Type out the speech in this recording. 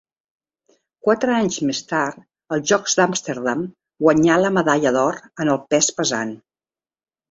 Quatre anys més tard, als Jocs d'Amsterdam, guanyà la medalla d'or en el pes pesant.